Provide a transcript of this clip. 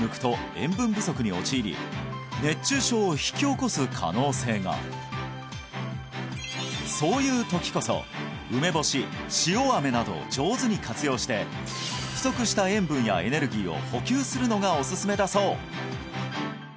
いわく夏は多くの汗をかくためそういう時こそ梅干し塩アメなどを上手に活用して不足した塩分やエネルギーを補給するのがおすすめだそう